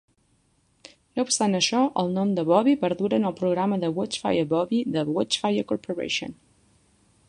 No obstant això, el nom de Bobby perdura en el programa de Watchfire Bobby de Watchfire Corporation.